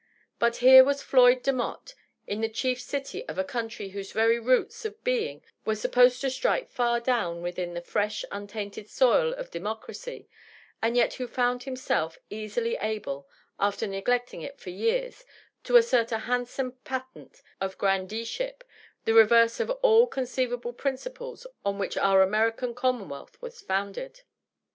But here was Floyd Demotte, in the chief city of a country whose very roots of being were supposed to strike far down within the fresh, untainted soil of democracy, and yet who found himself easily able, after neglecting it for years, to assert a handsome patent of grandeeship, the reverse of all conceivable principles on which our American commonwealth was founded.